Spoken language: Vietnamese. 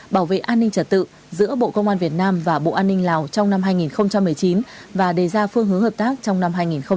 bảo vệ an ninh trật tự giữa bộ công an việt nam và bộ an ninh lào trong năm hai nghìn một mươi chín và đề ra phương hướng hợp tác trong năm hai nghìn hai mươi